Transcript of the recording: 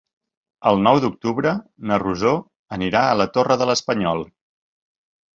El nou d'octubre na Rosó anirà a la Torre de l'Espanyol.